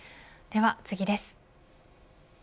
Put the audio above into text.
では次です。